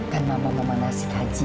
kan mama mau ngasih taji